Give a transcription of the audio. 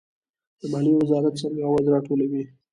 د مالیې وزارت څنګه عواید راټولوي؟